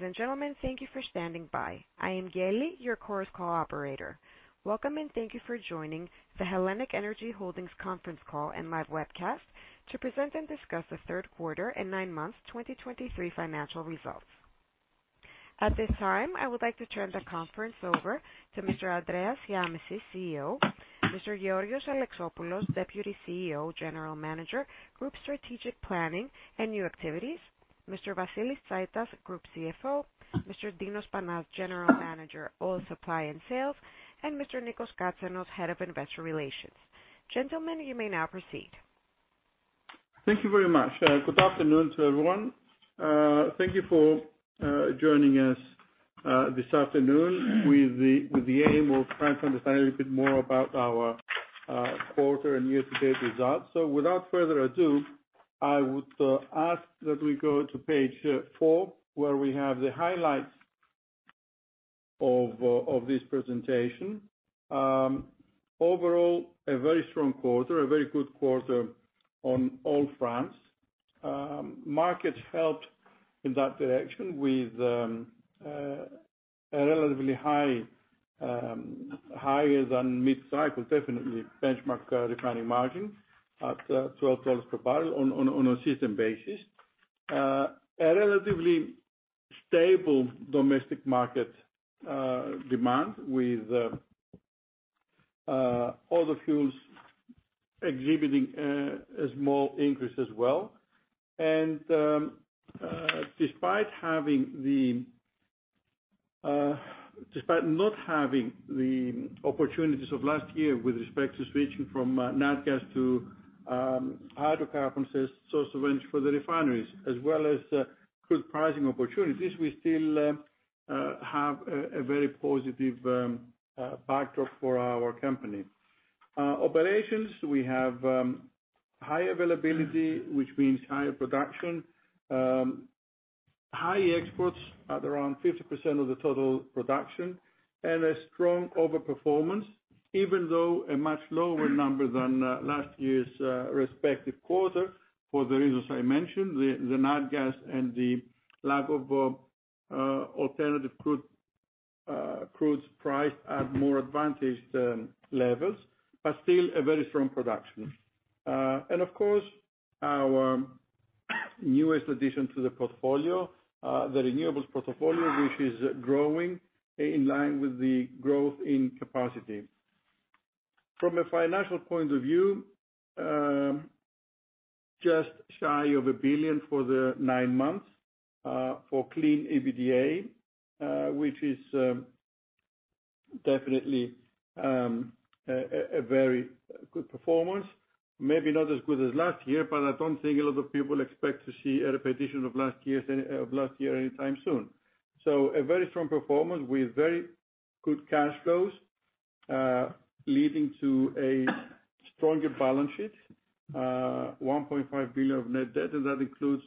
Ladies and gentlemen, thank you for standing by. I am Yeli, your Chorus Call operator. Welcome, and thank you for joining the HELLENiQ ENERGY Holdings conference call and live webcast to present and discuss the third quarter and 9 months 2023 financial results. At this time, I would like to turn the conference over to Mr. Andreas Shiamishis, CEO, Mr. George Alexopoulos, Deputy CEO, General Manager, Group Strategic Planning and New Activities, Mr. Vasilis Tsaitas, Group CFO, Mr. Konstantinos Panas, General Manager, Oil Supply and Sales, and Mr. Nikos Katsenos, Head of Investor Relations. Gentlemen, you may now proceed. Thank you very much. Good afternoon to everyone. Thank you for joining us this afternoon with the aim of trying to understand a little bit more about our quarter and year-to-date results. So without further ado, I would ask that we go to page four, where we have the highlights of this presentation. Overall, a very strong quarter, a very good quarter on all fronts. Markets helped in that direction with a relatively high, higher than mid-cycle, definitely benchmark refining margin at $12 per barrel on a system basis. A relatively stable domestic market demand with other fuels exhibiting a small increase as well. And despite having the... Despite not having the opportunities of last year with respect to switching from nat gas to hydrocarbons as source of energy for the refineries, as well as good pricing opportunities, we still have a very positive backdrop for our company. Operations, we have high availability, which means higher production, high exports at around 50% of the total production, and a strong overperformance, even though a much lower number than last year's respective quarter. For the reasons I mentioned, the nat gas and the lack of alternative crude grades priced at more advantaged levels, but still a very strong production. And of course, our newest addition to the portfolio, the renewables portfolio, which is growing in line with the growth in capacity. From a financial point of view, just shy of 1 billion for the nine months for Clean EBITDA, which is definitely a very good performance. Maybe not as good as last year, but I don't think a lot of people expect to see a repetition of last year's, of last year anytime soon. So a very strong performance with very good cash flows, leading to a stronger balance sheet. 1.5 billion of net debt, and that includes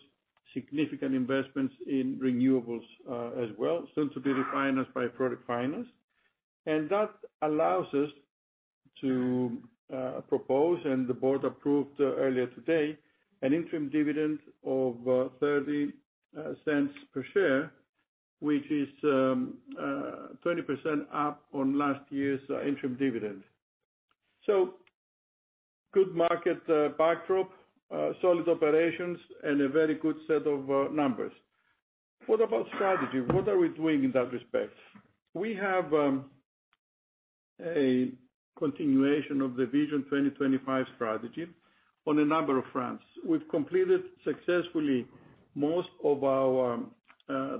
significant investments in renewables, as well, soon to be refinanced by project finance. And that allows us to propose, and the board approved earlier today, an interim dividend of 30 cents per share, which is 20% up on last year's interim dividend. So good market backdrop, solid operations, and a very good set of numbers. What about strategy? What are we doing in that respect? We have a continuation of the Vision 2025 strategy on a number of fronts. We've completed successfully most of our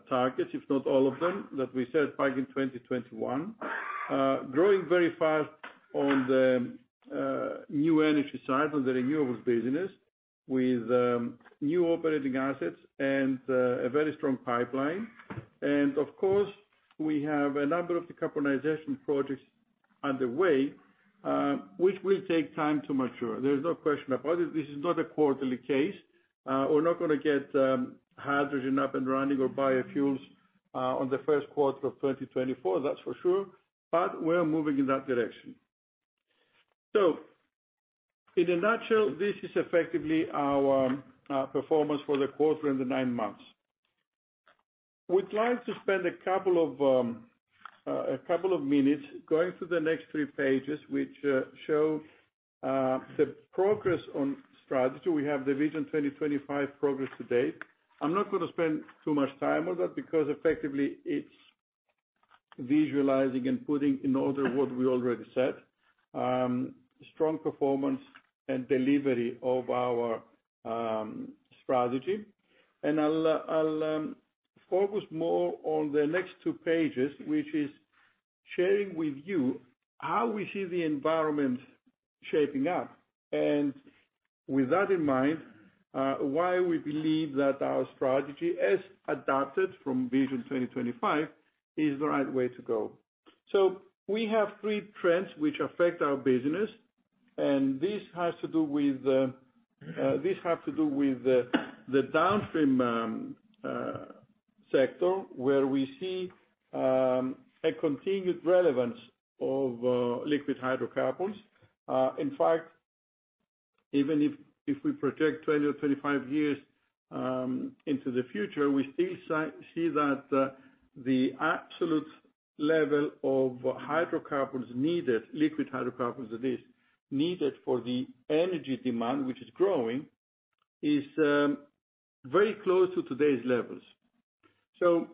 targets, if not all of them, that we set back in 2021. Growing very fast on the new energy side, on the renewables business, with new operating assets and a very strong pipeline. And of course, we have a number of decarbonization projects underway, which will take time to mature. There's no question about it. This is not a quarterly case. We're not gonna get hydrogen up and running or biofuels on the first quarter of 2024, that's for sure, but we're moving in that direction. So in a nutshell, this is effectively our performance for the quarter and the nine months. We'd like to spend a couple of minutes going through the next three pages, which show the progress on strategy. We have the Vision 2025 progress to date. I'm not gonna spend too much time on that because effectively, it's visualizing and putting in order what we already said. Strong performance and delivery of our strategy. And I'll focus more on the next two pages, which is sharing with you how we see the environment shaping up, and with that in mind, why we believe that our strategy, as adapted from Vision 2025, is the right way to go. So we have three trends which affect our business, and this has to do with the downstream sector, where we see a continued relevance of liquid hydrocarbons. In fact, even if we project 20 or 25 years into the future, we still see that the absolute level of hydrocarbons needed, liquid hydrocarbons that is, needed for the energy demand, which is growing, is very close to today's levels. So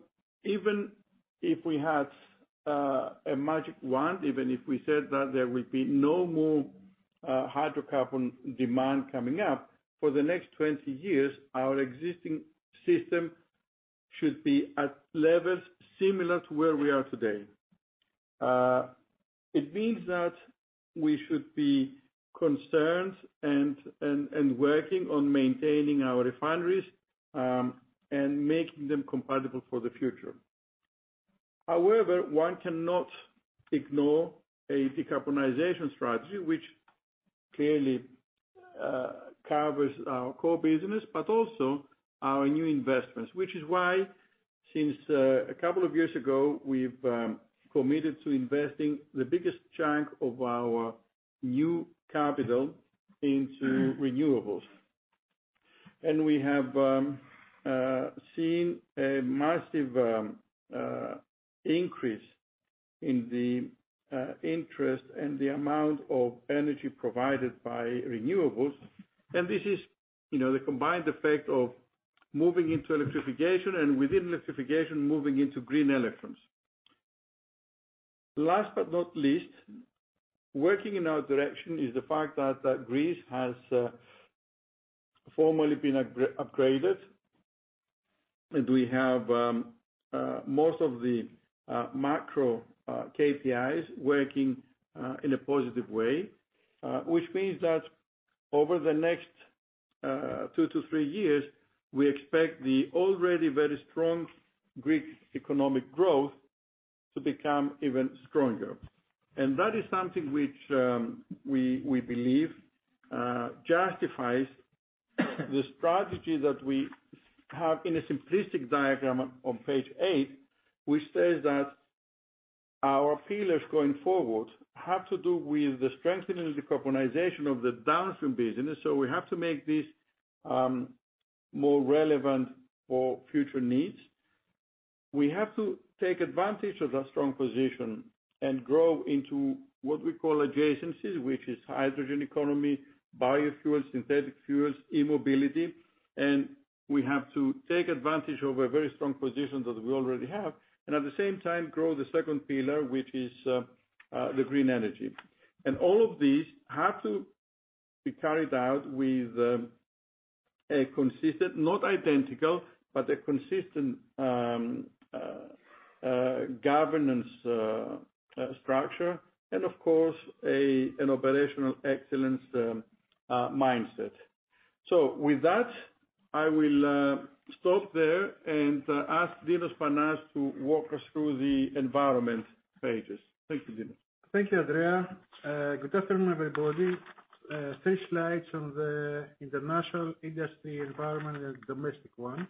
even if we had a magic wand, even if we said that there would be no more hydrocarbon demand coming up, for the next 20 years, our existing system should be at levels similar to where we are today. It means that we should be concerned and working on maintaining our refineries, and making them compatible for the future. However, one cannot ignore a decarbonization strategy, which clearly covers our core business, but also our new investments. Which is why, since a couple of years ago, we've committed to investing the biggest chunk of our new capital into renewables. And we have seen a massive increase in the interest and the amount of energy provided by renewables. And this is, you know, the combined effect of moving into electrification, and within electrification, moving into green electrons. Last but not least, working in our direction is the fact that Greece has formally been upgraded, and we have most of the macro KPIs working in a positive way. Which means that over the next 2-3 years, we expect the already very strong Greek economic growth to become even stronger. And that is something which we believe justifies the strategy that we have in a simplistic diagram on page 8, which says that our pillars going forward have to do with the strengthening and decarbonization of the downstream business. So we have to make this more relevant for future needs. We have to take advantage of our strong position and grow into what we call adjacencies, which is hydrogen economy, biofuels, synthetic fuels, e-mobility. And we have to take advantage of a very strong position that we already have, and at the same time, grow the second pillar, which is the green energy. All of these have to be carried out with a consistent, not identical, but a consistent, governance structure, and of course, an operational excellence mindset. With that, I will stop there and ask Dinos Panas to walk us through the environment pages. Thank you, Dinos. Thank you, Andrea. Good afternoon, everybody. Three slides on the international industry environment and domestic one.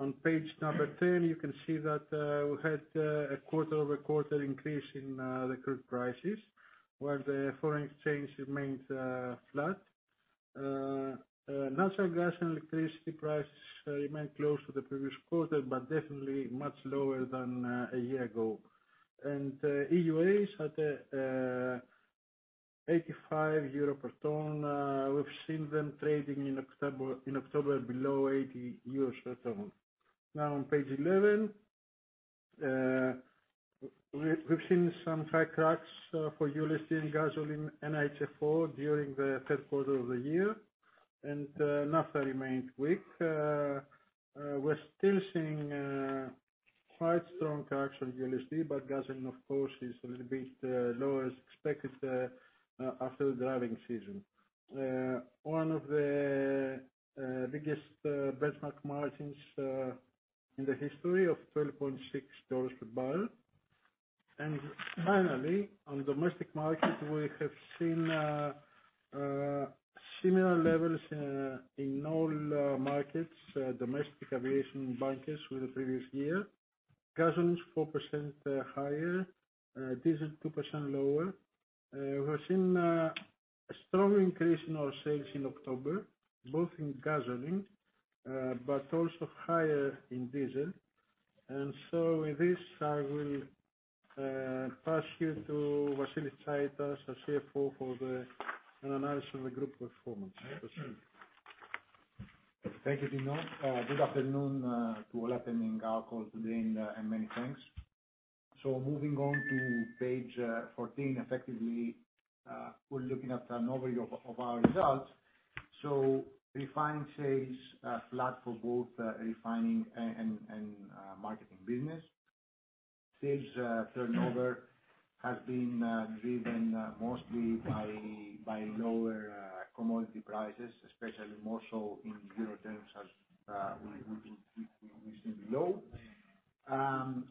On page number 10, you can see that we had a quarter-over-quarter increase in the crude prices, while the foreign exchange remains flat. Natural gas and electricity price remained close to the previous quarter, but definitely much lower than a year ago. EUAs at 85 euro per ton, we've seen them trading in October, in October below 80 euros per ton. Now, on page 11, we've seen some high cracks for ULSD and gasoline and HFO during the third quarter of the year. Naphtha remained weak. We're still seeing quite strong cracks on ULSD, but gasoline, of course, is a little bit lower as expected after the driving season. One of the biggest benchmark margins in the history of $12.6 per barrel. And finally, on domestic market, we have seen similar levels in all markets, domestic aviation bunkers with the previous year. Gasoline is 4% higher, diesel, 2% lower. We're seeing a strong increase in our sales in October, both in gasoline, but also higher in diesel. And so with this, I will pass you to Vasilis Tsaitas, our CFO, for the analysis of the group performance. Vasilis? Thank you, Dinos. Good afternoon to all attending our call today, and many thanks. So moving on to page 14, effectively, we're looking at an overview of our results. So refined sales flat for both refining and marketing business. Sales turnover has been driven mostly by lower commodity prices, especially more so in euro terms, as we see below.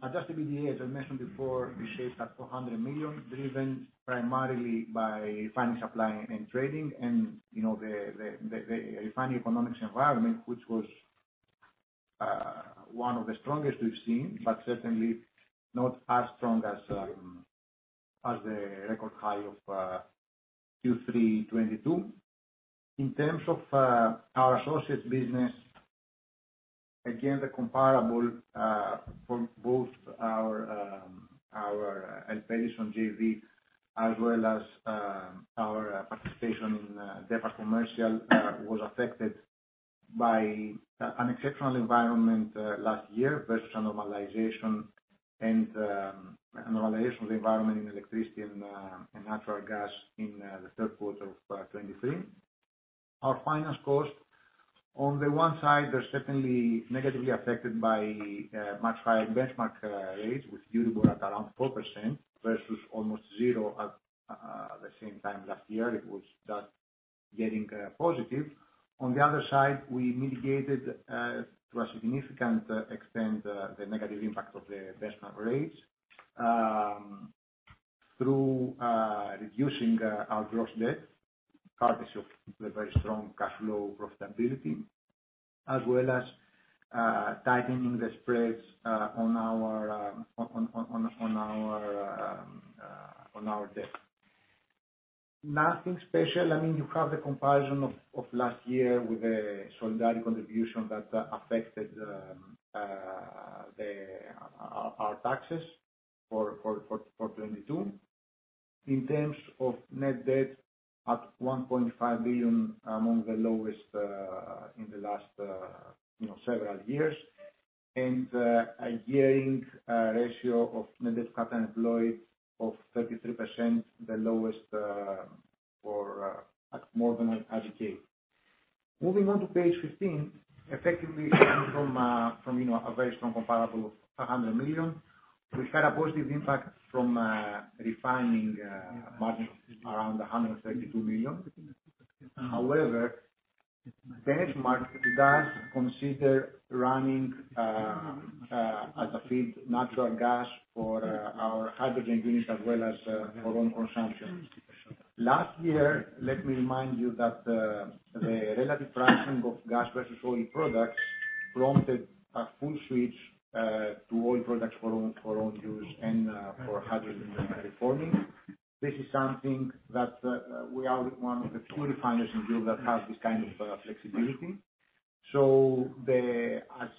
Adjusted EBITDA, as I mentioned before, we shaped at 400 million, driven primarily by finance supplying and trading. And, you know, the refining economics environment, which was one of the strongest we've seen, but certainly not as strong as the record high of Q3 2022. In terms of our associate business, again, the comparable for both our ELPEDISON JV, as well as our participation in DEPA Commercial, was affected by an exceptional environment last year versus normalization and normalization of the environment in electricity and natural gas in the third quarter of 2023. Our finance cost, on the one side, they're certainly negatively affected by much higher benchmark rates, with Euribor at around 4% versus almost zero at the same time last year; it was just getting positive. On the other side, we mitigated to a significant extent the negative impact of the benchmark rates through reducing our gross debt, partly through the very strong cash flow profitability, as well as tightening the spreads on our debt. Nothing special. I mean, you have the comparison of last year with the solidarity contribution that affected our taxes for 2022. In terms of net debt, at 1.5 billion, among the lowest in the last, you know, several years. And a Gearing Ratio of net debt capital employed of 33%, the lowest for more than a decade. Moving on to page 15. Effectively, from, from, you know, a very strong comparable, 100 million, we've had a positive impact from refining margin around 132 million. However, benchmark does consider running as a feed natural gas for our hydrogen units as well as for own consumption. Last year, let me remind you that the relative pricing of gas versus oil products prompted a full switch to oil products for own use and for hydrogen reforming. This is something that we are one of the two refiners in group that have this kind of flexibility. So, as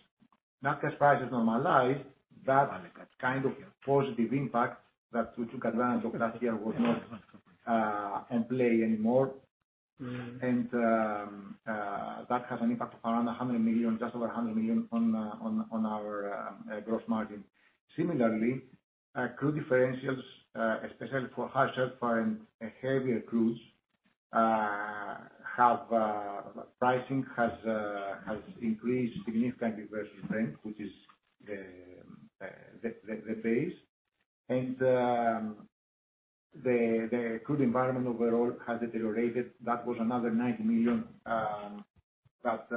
natural gas prices normalize, that kind of positive impact that we took advantage of last year was not in play anymore. That has an impact of around 100 million, just over 100 million on our gross margin. Similarly, crude differentials, especially for high sulfur and heavier crudes, pricing has increased significantly versus Brent, which is the base. The crude environment overall has deteriorated. That was another 9 million that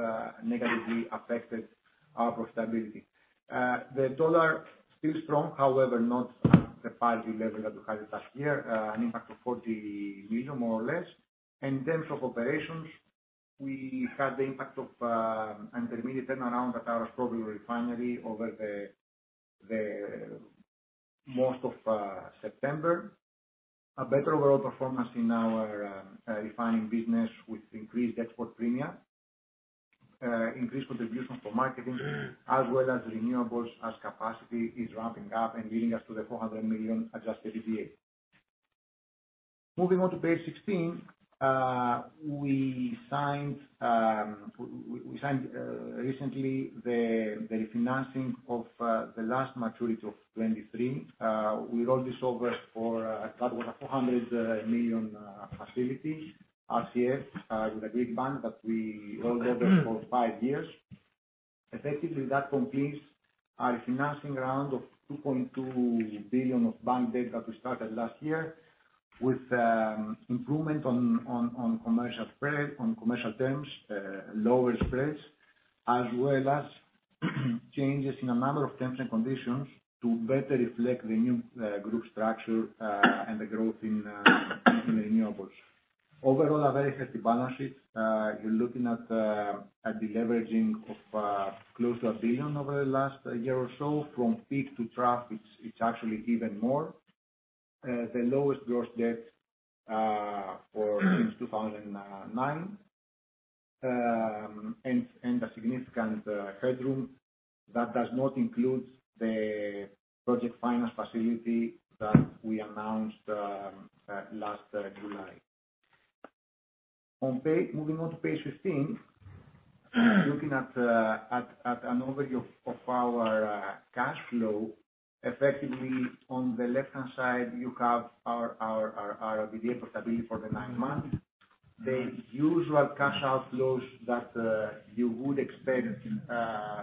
negatively affected our profitability. The dollar still strong, however, not at the party level that we had last year, an impact of 40 million, more or less. In terms of operations, we had the impact of an intermediate turnaround at our Aspropyrgos refinery over the most of September. A better overall performance in our refining business, with increased export premia, increased contribution from marketing, as well as renewables as capacity is ramping up and leading us to the 400 million adjusted EBITDA. Moving on to page 16, we signed recently the refinancing of the last maturity of 2023. We rolled this over for about 400 million facilities, RCF, with a Greek bank that we rolled over for five years. Effectively, that completes our refinancing round of 2.2 billion of bank debt that we started last year, with improvement on commercial spread, on commercial terms, lower spreads, as well as changes in a number of terms and conditions to better reflect the new group structure and the growth in renewables. Overall, a very healthy balance sheet. You're looking at deleveraging of close to 1 billion over the last year or so. From peak to trough, it's actually even more, the lowest gross debt for since 2009. A significant headroom that does not include the project finance facility that we announced last July. Moving on to page 15, looking at an overview of our cash flow, effectively, on the left-hand side, you have our EBITDA profitability for the nine months. The usual cash outflows that, you would expect,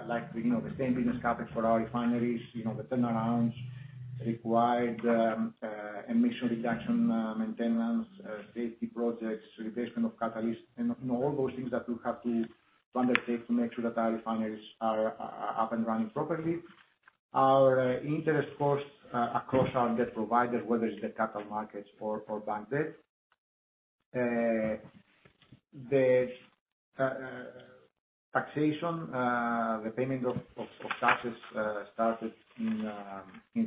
like, you know, the same business happens for our refineries, you know, the turnarounds required, emission reduction, maintenance, safety projects, replacement of catalysts, and, you know, all those things that we have to undertake to make sure that our refineries are up and running properly. Our interest costs across our debt providers, whether it's the capital markets or bank debt. The taxation, the payment of taxes, started in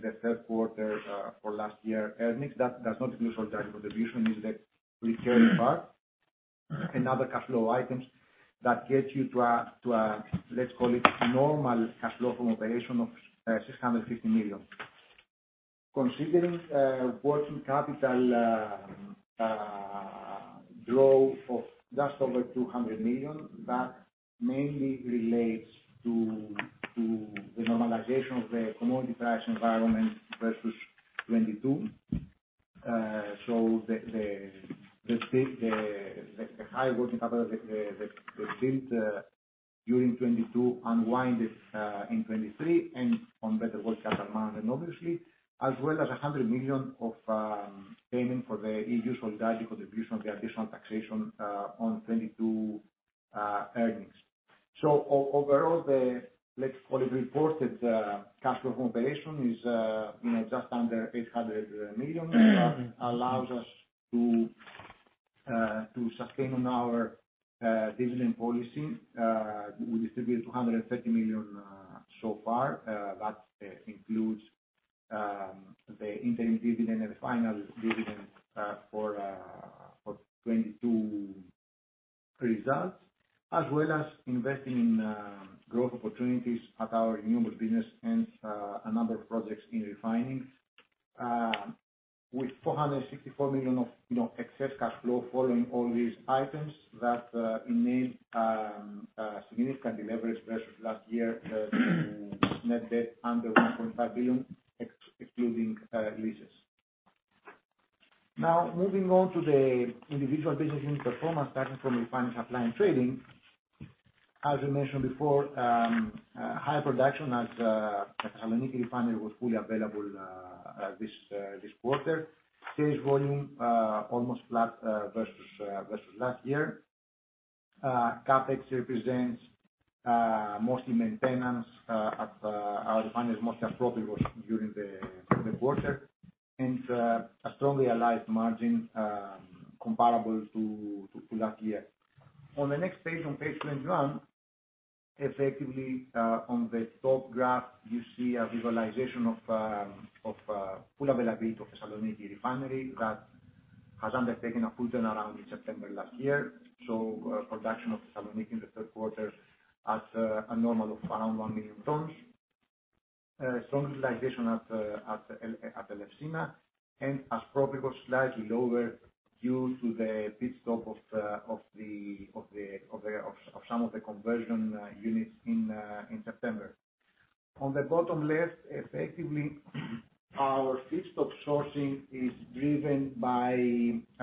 the third quarter for last year earnings. That does not include full tax contribution, is that recurring part and other cash flow items that get you to a, let's call it, normal cash flow from operation of 650 million. Considering working capital growth of just over 200 million, that mainly relates to the normalization of the commodity price environment versus 2022. So the state of the high working capital build during 2022 unwound in 2023 and on better working capital demand, and obviously, as well as 100 million of payment for the unusual value contribution of the additional taxation on 2022 earnings. So overall, the, let's call it, reported cash flow from operations is, you know, just under 800 million, allows us to sustain on our dividend policy. We distributed 230 million so far, that includes the interim dividend and the final dividend for 2022 results, as well as investing in growth opportunities at our renewable business and a number of projects in refining. With 464 million of, you know, excess cash flow following all these items, that means a significant leverage versus last year, net debt under 1.5 billion excluding leases. Now, moving on to the individual business unit performance, starting from refining, supply, and trading. As I mentioned before, high production as Thessaloniki Refinery was fully available this quarter. Sales volume almost flat versus last year. CapEx represents mostly maintenance at our refinery is mostly appropriate during the quarter, and a strongly aligned margin comparable to last year. On the next page, on page 21, effectively on the top graph, you see a visualization of full availability of Thessaloniki Refinery that has undertaken a full turnaround in September last year. So, production of Thessaloniki in the third quarter at a normal of around 1 million tons. Strong realization at Elefsina, and as probably was slightly lower due to the pit stop of some of the conversion units in September. On the bottom left, effectively, our feedstock sourcing is driven by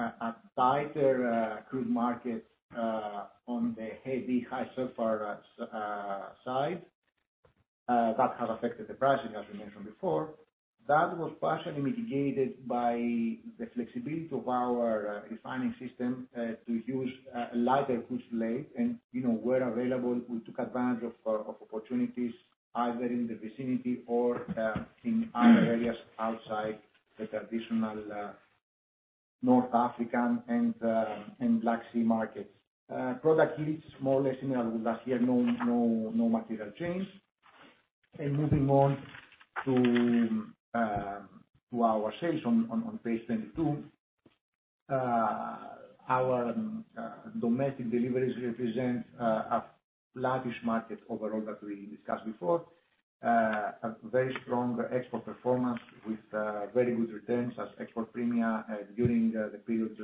a tighter crude market on the heavy, high sulfur side that has affected the pricing, as we mentioned before. That was partially mitigated by the flexibility of our refining system to use lighter crude slate, and, you know, where available, we took advantage of opportunities either in the vicinity or in other areas outside the traditional North African and Black Sea markets. Product leads more or less similar with last year, no material change. Moving on to our sales on page 22. Our domestic deliveries represent a large market overall that we discussed before. A very strong export performance with very good returns as export premia during the period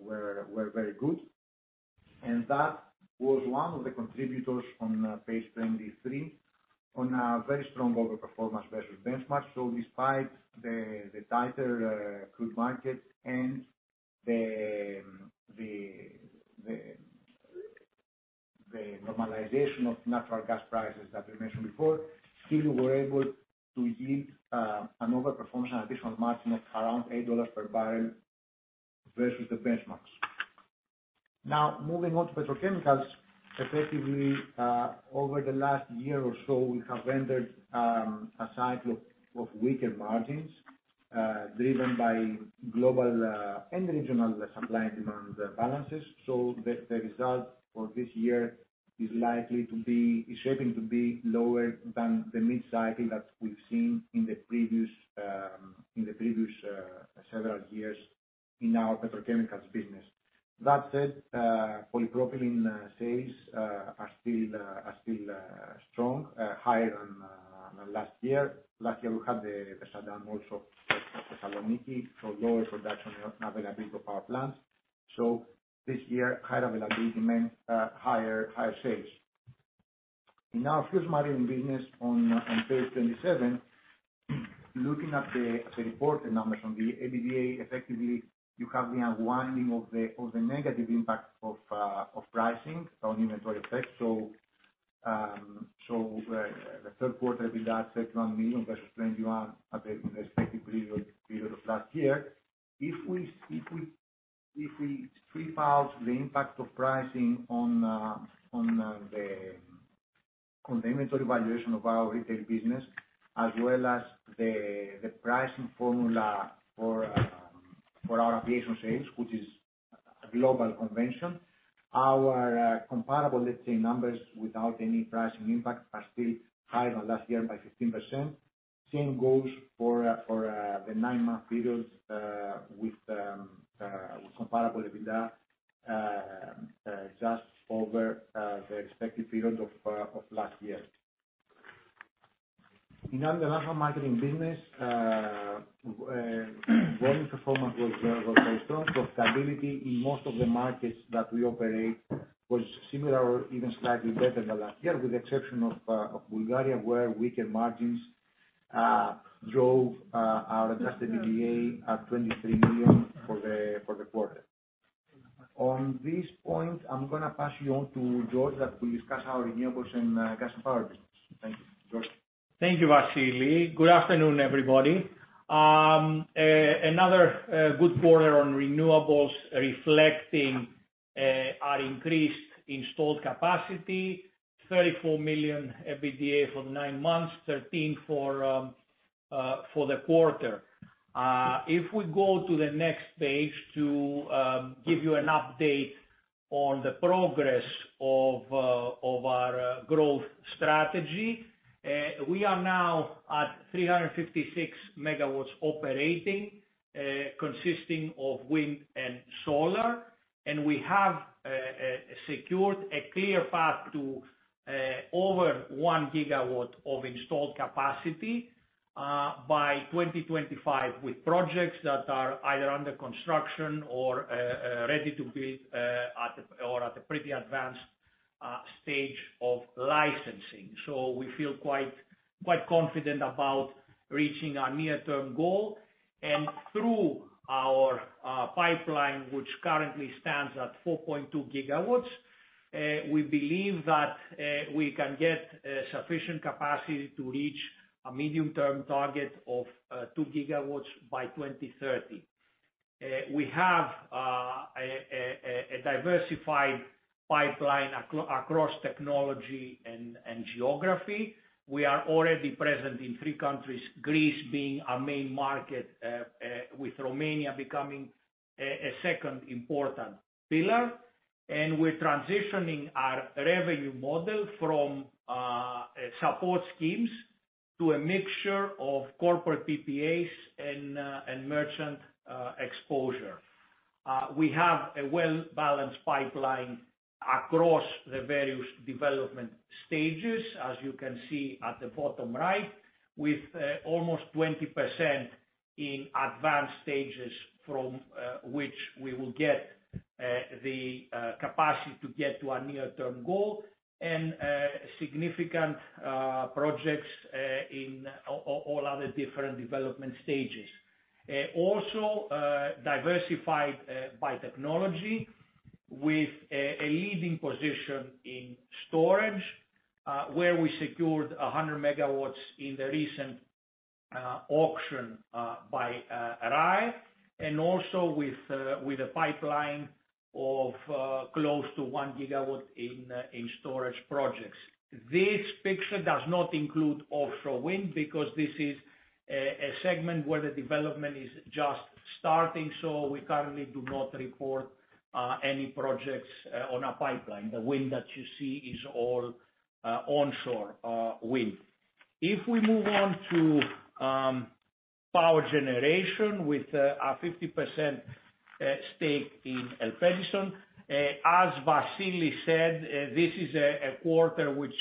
were very good. And that was one of the contributors on page 23, on a very strong overperformance versus benchmark. So despite the tighter crude markets and the normalization of natural gas prices that we mentioned before, still we were able to yield an overperformance and additional margin of around $8 per barrel versus the benchmarks. Now, moving on to petrochemicals. Effectively over the last year or so, we have entered a cycle of weaker margins driven by global and regional supply and demand balances. So the result for this year is likely to be, is shaping to be lower than the mid-cycle that we've seen in the previous, several years in our petrochemicals business. That said, polypropylene sales are still strong, higher than last year. Last year, we had the shutdown also of Thessaloniki, so lower production and availability of our plants. So this year, high availability meant higher sales. In our fuels marketing business on page 27, looking at the reported numbers on the EBITDA, effectively, you have the unwinding of the negative impact of pricing on inventory effect. So the third quarter, we got 31 million versus 21 million in the respective period of last year. If we strip out the impact of pricing on the inventory valuation of our retail business, as well as the pricing formula for our aviation sales, which is a global convention. Our comparable, let's say, numbers without any pricing impact are still higher than last year by 15%. Same goes for the nine-month periods with comparable EBITDA just over the respective period of last year. In our international marketing business, volume performance was very strong. Profitability in most of the markets that we operate was similar or even slightly better than last year, with the exception of Bulgaria, where weaker margins drove our adjusted EBITDA at 23 million for the quarter. On this point, I'm gonna pass you on to George that will discuss our renewables and gas and power business. Thank you. George? Thank you, Vasilis. Good afternoon, everybody. Another good quarter on renewables reflecting our increased installed capacity, 34 million EBITDA for the nine months, 13 million for the quarter. If we go to the next page to give you an update on the progress of our growth strategy, we are now at 356 MW operating, consisting of wind and solar. And we have secured a clear path to over 1 GW of installed capacity by 2025, with projects that are either under construction or ready to build at a pretty advanced stage of licensing. So we feel quite, quite confident about reaching our near-term goal. And through our pipeline, which currently stands at 4.2 gigawatts, we believe that we can get sufficient capacity to reach a medium-term target of 2 gigawatts by 2030. We have a diversified pipeline across technology and geography. We are already present in three countries, Greece being our main market, with Romania becoming a second important pillar. And we're transitioning our revenue model from support schemes to a mixture of corporate PPAs and merchant exposure. We have a well-balanced pipeline across the various development stages, as you can see at the bottom right, with almost 20% in advanced stages, from which we will get the capacity to get to our near-term goal, and significant projects in all other different development stages. Also, diversified by technology with a leading position in storage, where we secured 100 MW in the recent auction by RAE, and also with a pipeline of close to 1 GW in storage projects. This picture does not include offshore wind, because this is a segment where the development is just starting, so we currently do not report any projects on our pipeline. The wind that you see is all onshore wind. If we move on to power generation with a 50% stake in ELPEDISON, as Vasilis said, this is a quarter which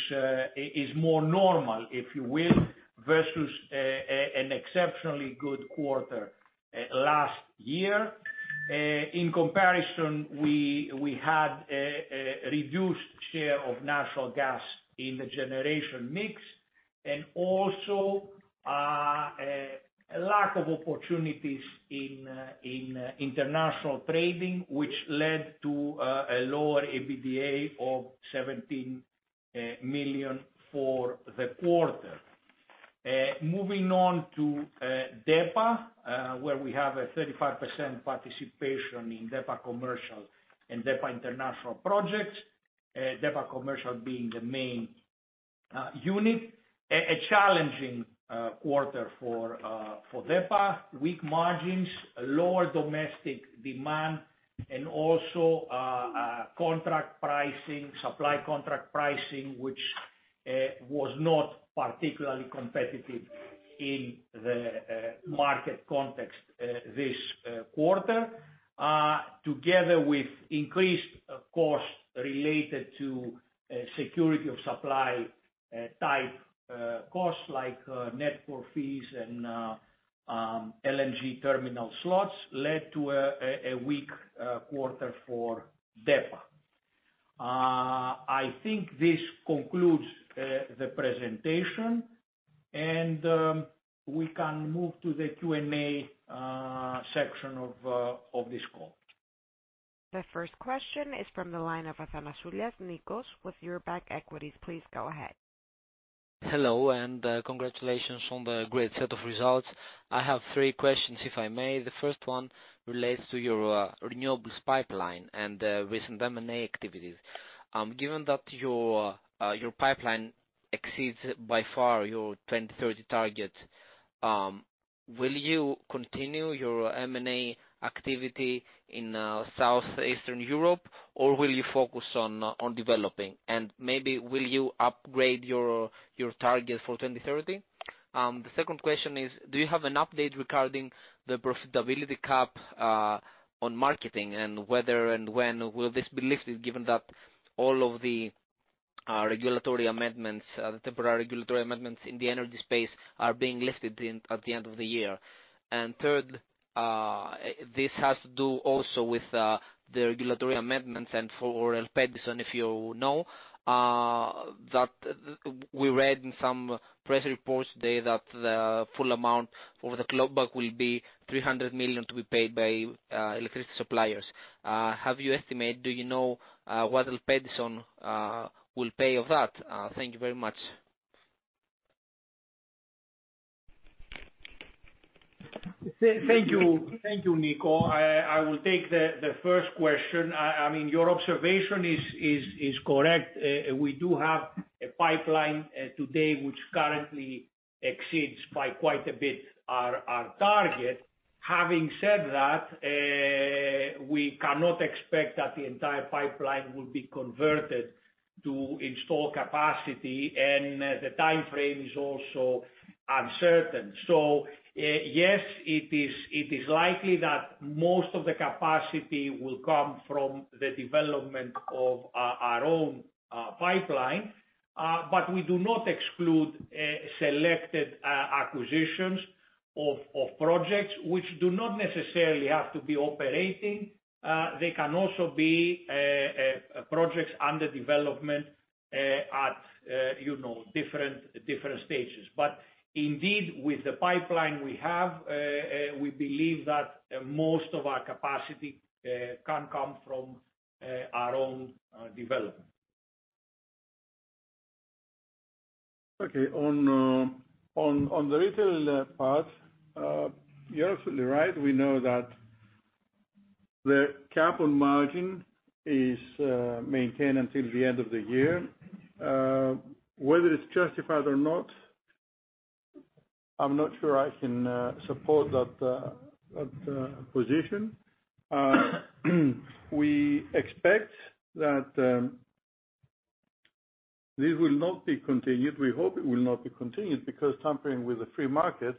is more normal, if you will, versus an exceptionally good quarter last year. In comparison, we had a reduced share of natural gas in the generation mix, and also a lack of opportunities in international trading, which led to a lower EBITDA of 17 million for the quarter. Moving on to DEPA, where we have a 35% participation in DEPA Commercial and DEPA International Projects, DEPA Commercial being the main unit. A challenging quarter for DEPA. Weak margins, lower domestic demand, and also, contract pricing, supply contract pricing, which was not particularly competitive in the market context, this quarter. Together with increased costs related to security of supply type costs like network fees and LNG terminal slots, led to a weak quarter for DEPA. I think this concludes the presentation, and we can move to the Q&A section of this call. The first question is from the Nikos Athanasoulas, with eurobank Equities. Please go ahead.... Hello, and, congratulations on the great set of results. I have three questions, if I may. The first one relates to your renewables pipeline and recent M&A activities. Given that your your pipeline exceeds by far your 2030 target, will you continue your M&A activity in Southeastern Europe, or will you focus on on developing? And maybe will you upgrade your your target for 2030? The second question is, do you have an update regarding the profitability cap on marketing, and whether and when will this be lifted, given that all of the regulatory amendments, the temporary regulatory amendments in the energy space are being lifted in at the end of the year? And third, this has to do also with the regulatory amendments and for ELPEDISON, if you know, that we read in some press reports today that the full amount for the clawback will be 300 million to be paid by electricity suppliers. Have you estimated, do you know, what ELPEDISON will pay of that? Thank you very much. Thank you. Thank you, Niko. I will take the first question. I mean, your observation is correct. We do have a pipeline today, which currently exceeds by quite a bit our target. Having said that, we cannot expect that the entire pipeline will be converted to install capacity, and the timeframe is also uncertain. So, yes, it is likely that most of the capacity will come from the development of our own pipeline. But we do not exclude selected acquisitions of projects which do not necessarily have to be operating. They can also be projects under development, you know, different stages. Indeed, with the pipeline we have, we believe that most of our capacity can come from our own development. Okay. On the retail part, you're absolutely right. We know that the cap on margin is maintained until the end of the year. Whether it's justified or not, I'm not sure I can support that position. We expect that this will not be continued. We hope it will not be continued, because tampering with the free market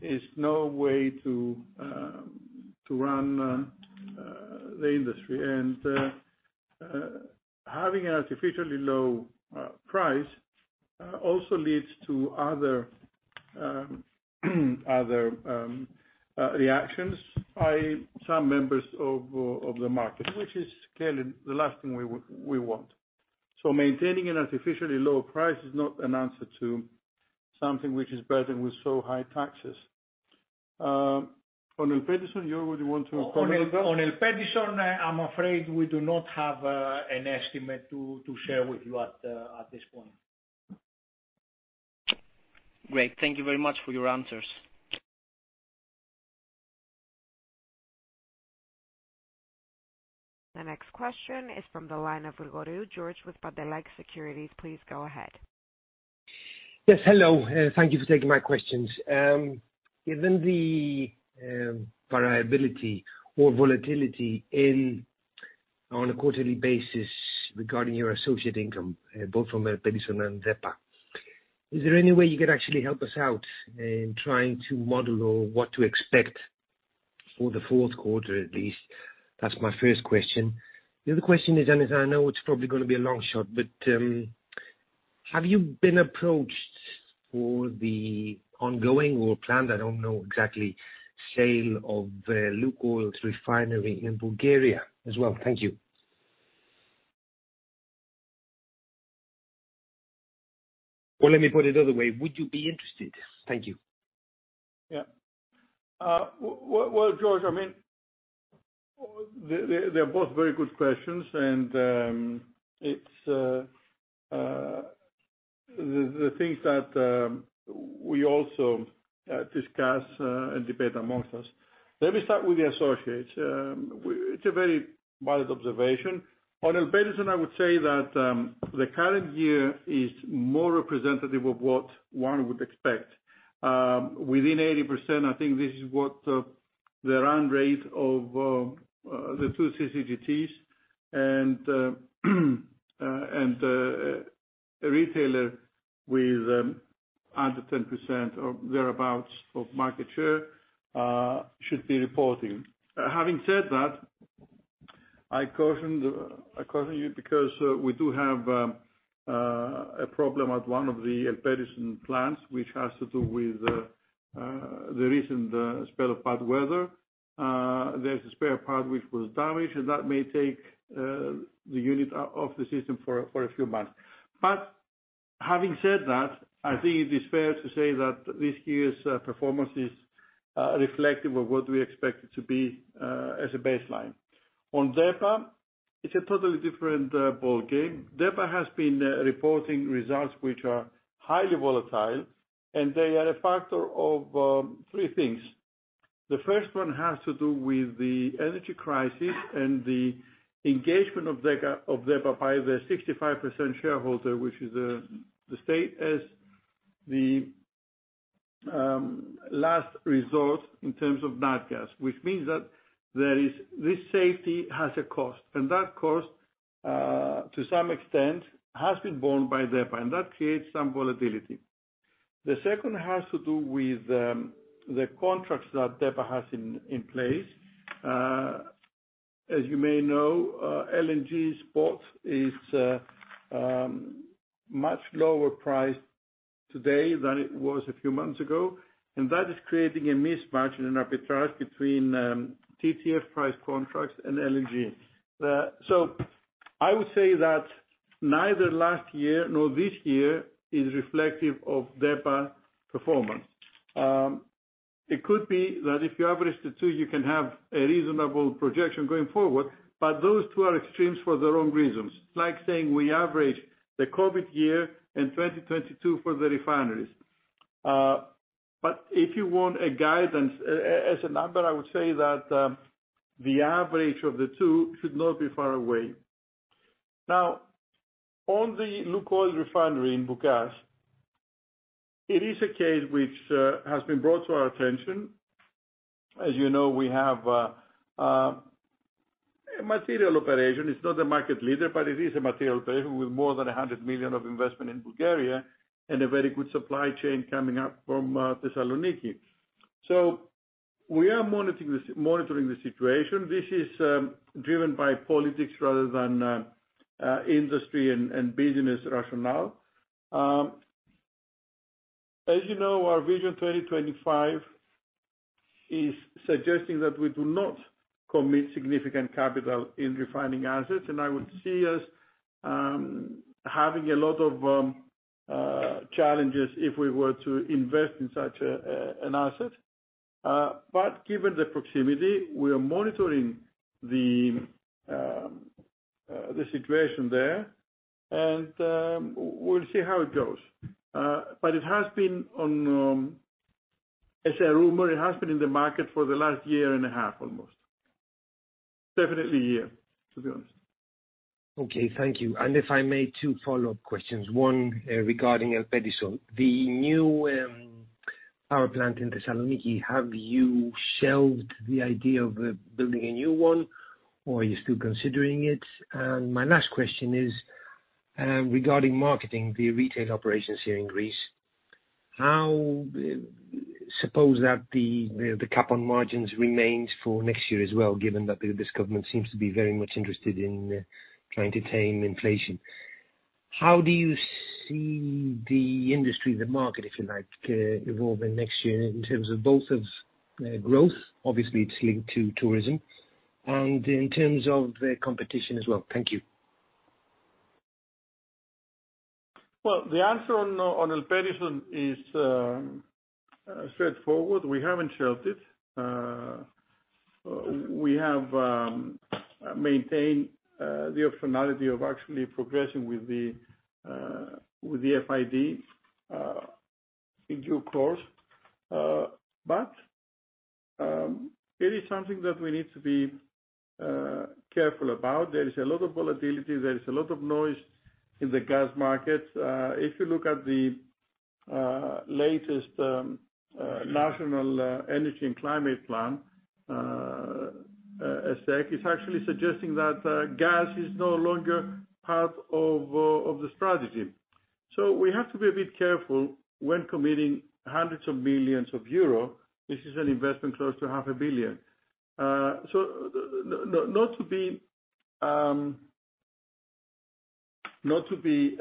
is no way to run the industry. And having an artificially low price also leads to other reactions by some members of the market, which is clearly the last thing we want. So maintaining an artificially low price is not an answer to something which is burdened with so high taxes. On ELPEDISON, you already want to comment on that? On ELPEDISON, I'm afraid we do not have an estimate to share with you at this point. Great. Thank you very much for your answers. The next question is from the line of George Grigoriou with Pantelakis Securities, please go ahead. Yes, hello, and thank you for taking my questions. Given the variability or volatility in on a quarterly basis regarding your associate income, both from ELPEDISON and DEPA, is there any way you could actually help us out in trying to model or what to expect for the fourth quarter, at least? That's my first question. The other question is, and I know it's probably gonna be a long shot, but have you been approached for the ongoing or planned, I don't know exactly, sale of LUKOIL's refinery in Bulgaria as well? Thank you. Well, let me put it another way. Would you be interested? Thank you. Yeah. Well, George, I mean, they, they're both very good questions, and it's the things that we also discuss and debate amongst us. Let me start with the associates. It's a very valid observation. On ELPEDISON, I would say that the current year is more representative of what one would expect. Within 80%, I think this is what the run rate of the two CCGTs and a retailer with under 10% or thereabout of market share should be reporting. Having said that, I caution you because we do have a problem at one of the ELPEDISON plants, which has to do with the recent spell of bad weather. There's a spare part which was damaged, and that may take the unit out of the system for a few months. But having said that, I think it is fair to say that this year's performance is reflective of what we expect it to be as a baseline. On DEPA, it's a totally different ballgame. DEPA has been reporting results which are highly volatile, and they are a factor of three things. The first one has to do with the energy crisis and the engagement of DEPA by the 65% shareholder, which is the state, as the last resort in terms of nat gas. Which means that there is... This safety has a cost, and that cost to some extent has been borne by DEPA, and that creates some volatility. The second has to do with the contracts that DEPA has in place. As you may know, LNG spot is much lower price today than it was a few months ago, and that is creating a mismatch in arbitrage between TTF price contracts and LNG. So I would say that neither last year nor this year is reflective of DEPA performance. It could be that if you average the two, you can have a reasonable projection going forward, but those two are extremes for the wrong reasons. It's like saying we average the COVID year and 2022 for the refineries. But if you want a guidance, as a number, I would say that the average of the two should not be far away. Now, on the LUKOIL refinery in Burgas, it is a case which has been brought to our attention. As you know, we have a material operation. It's not a market leader, but it is a material operation with more than 100 million of investment in Bulgaria and a very good supply chain coming up from Thessaloniki. So we are monitoring the situation. This is driven by politics rather than industry and business rationale. As you know, our Vision 2025 is suggesting that we do not commit significant capital in refining assets, and I would see us having a lot of challenges if we were to invest in such an asset. But given the proximity, we are monitoring the situation there, and we'll see how it goes. But it has been on, as a rumor, it has been in the market for the last year and a half almost. Definitely a year, to be honest. Okay, thank you. And if I may, two follow-up questions. One, regarding ELPEDISON. The new power plant in Thessaloniki, have you shelved the idea of building a new one, or are you still considering it? And my last question is regarding marketing the retail operations here in Greece. How suppose that the cap on margins remains for next year as well, given that this government seems to be very much interested in trying to tame inflation. How do you see the industry, the market, if you like, evolving next year in terms of both of growth, obviously, it's linked to tourism, and in terms of the competition as well? Thank you. Well, the answer on ELPEDISON is straightforward. We haven't shelved it. We have maintained the optionality of actually progressing with the FID in due course. But it is something that we need to be careful about. There is a lot of volatility, there is a lot of noise in the gas markets. If you look at the latest national energy and climate plan, as such, it's actually suggesting that gas is no longer part of the strategy. So we have to be a bit careful when committing hundreds of millions EUR. This is an investment close to 500 million. So not to be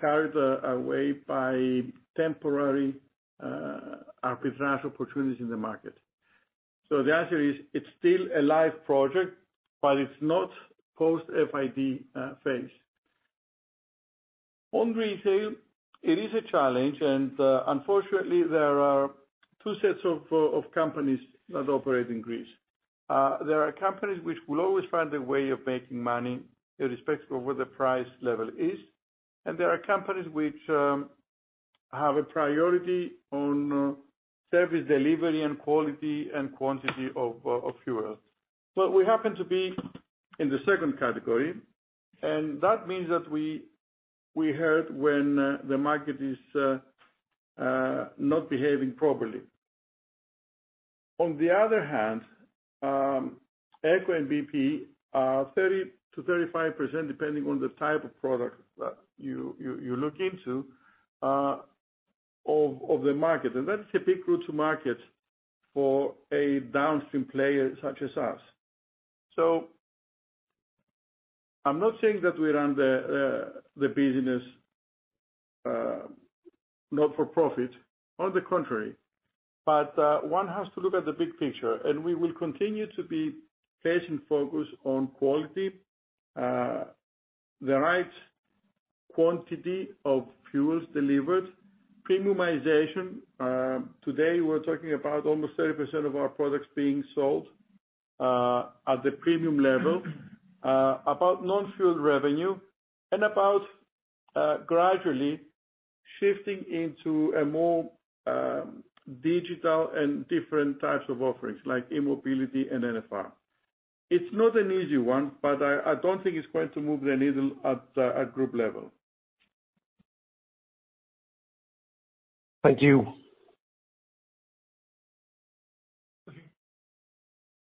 carried away by temporary arbitrage opportunities in the market. So the answer is, it's still a live project, but it's not post-FID phase. On retail, it is a challenge, and unfortunately, there are two sets of companies that operate in Greece. There are companies which will always find a way of making money, irrespective of what the price level is, and there are companies which have a priority on service delivery and quality and quantity of fuel. But we happen to be in the second category, and that means that we hurt when the market is not behaving properly. On the other hand, EKO and BP are 30%-35%, depending on the type of product that you look into, of the market, and that is a big route to market for a downstream player such as us. So I'm not saying that we run the business not-for-profit, on the contrary, but one has to look at the big picture, and we will continue to be patient, focused on quality, the right quantity of fuels delivered, premiumization. Today, we're talking about almost 30% of our products being sold at the premium level. About non-fuel revenue, and about gradually shifting into a more digital and different types of offerings like e-mobility and NFR. It's not an easy one, but I don't think it's going to move the needle at group level. Thank you.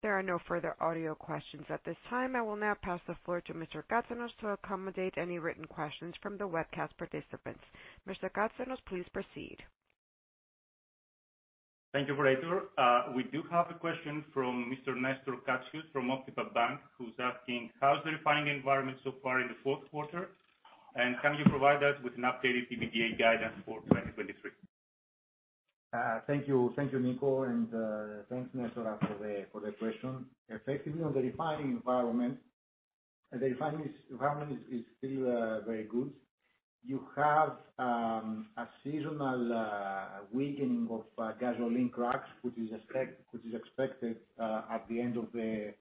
There are no further audio questions at this time. I will now pass the floor to Mr. Katsenos to accommodate any written questions from the webcast participants. Mr. Katsenos, please proceed. Thank you, operator. We do have a question from Mr. Nestor Katsios from Optima Bank, who's asking: how's the refining environment so far in the fourth quarter? And can you provide us with an updated EBITDA guidance for 2023? Thank you. Thank you, Niko, and thanks, Nestor, for the question. Effectively, on the refining environment, the refining environment is still very good. You have a seasonal weakening of gasoline cracks, which is expected at the end of the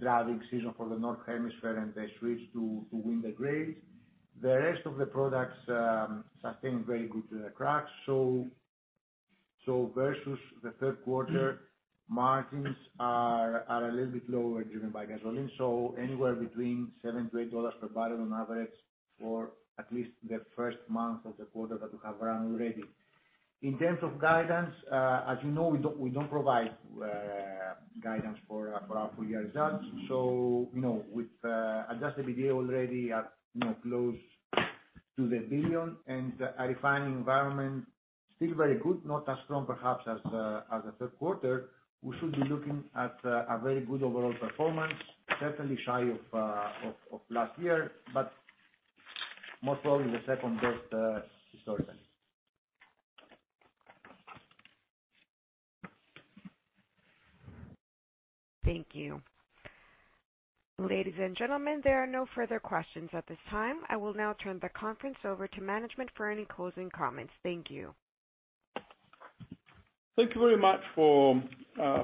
driving season for the Northern Hemisphere, and they switch to winter grades. The rest of the products sustain very good cracks. So versus the third quarter, margins are a little bit lower, driven by gasoline. So anywhere between $7-$8 per barrel on average, for at least the first month of the quarter that we have run already. In terms of guidance, as you know, we don't provide guidance for our full year results. You know, with adjusted EBITDA already at, you know, close to 1 billion, and a refining environment still very good, not as strong perhaps as the third quarter, we should be looking at a very good overall performance. Certainly shy of last year, but most probably the second best historically. Thank you. Ladies and gentlemen, there are no further questions at this time. I will now turn the conference over to management for any closing comments. Thank you. Thank you very much for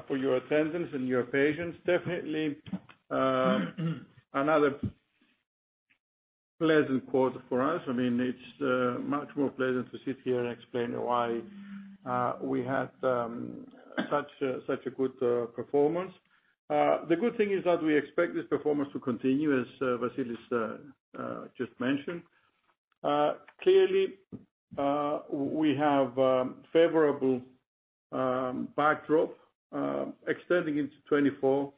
your attendance and your patience. Definitely, another pleasant quarter for us. I mean, it's much more pleasant to sit here and explain why we had such a good performance. The good thing is that we expect this performance to continue, as Vasilis just mentioned. Clearly, we have favorable backdrop extending into 2024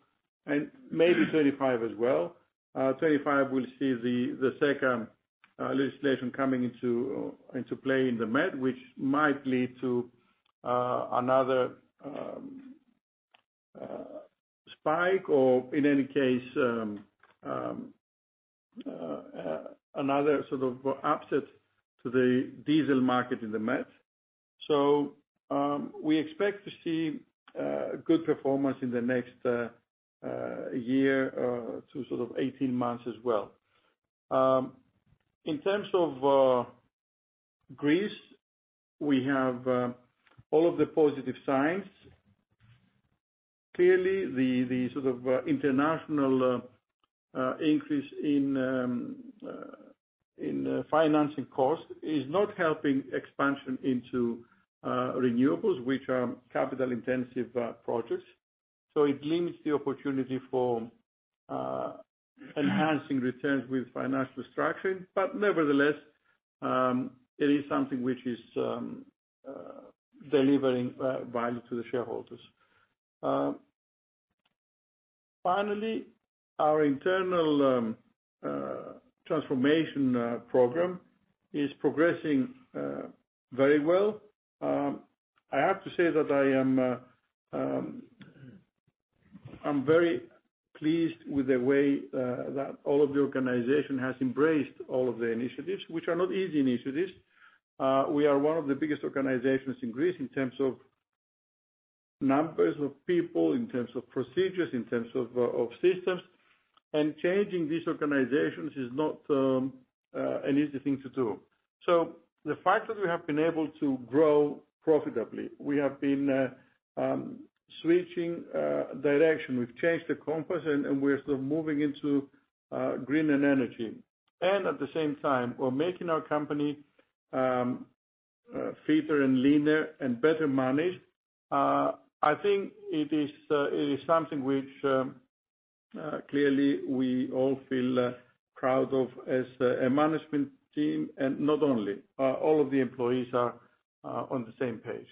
and maybe 2025 as well. 2025, we'll see the second legislation coming into play in the Med, which might lead to another spike, or in any case, another sort of upset to the diesel market in the Med. So, we expect to see good performance in the next year to sort of 18 months as well. In terms of Greece, we have all of the positive signs. Clearly, the sort of international increase in financing costs is not helping expansion into renewables, which are capital-intensive projects. So it limits the opportunity for enhancing returns with financial structuring. But nevertheless, it is something which is delivering value to the shareholders. Finally, our internal transformation program is progressing very well. I have to say that I am very pleased with the way that all of the organization has embraced all of the initiatives, which are not easy initiatives. We are one of the biggest organizations in Greece in terms of numbers of people, in terms of procedures, in terms of systems. Changing these organizations is not an easy thing to do. So the fact that we have been able to grow profitably, we have been switching direction. We've changed the compass, and we're still moving into green energy. And at the same time, we're making our company fitter and leaner and better managed. I think it is something which clearly we all feel proud of as a management team, and not only all of the employees are on the same page.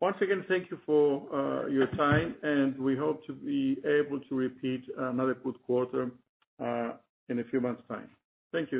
Once again, thank you for your time, and we hope to be able to repeat another good quarter in a few months' time. Thank you.